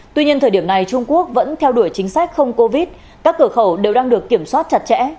tuy nhiên thời điểm này trung quốc vẫn theo đuổi chính sách không covid các cửa khẩu đều đang được kiểm soát chặt chẽ